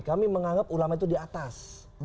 kami menganggap ulama itu di atas